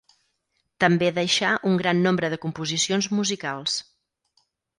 També deixà un gran nombre de composicions musicals.